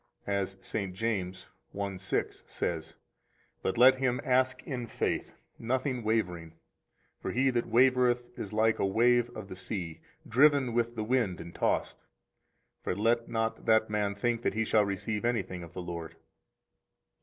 123 As St. James 1:6 says: But let him ask in faith, nothing wavering; for he that wavereth is like a wave of the sea, driven with the wind and tossed. For let not that man think that he shall receive anything of the Lord.